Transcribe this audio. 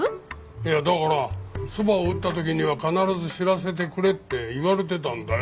いやだからそばを打った時には必ず知らせてくれって言われてたんだよ。